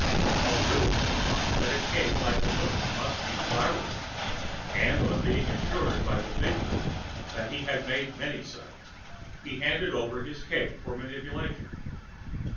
The little boy thought that a cake like the moon must be desirable, and on being assured by the big boy that he had made many such, he handed over his cake for manipulation.